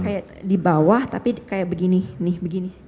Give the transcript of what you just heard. kayak di bawah tapi kayak begini nih begini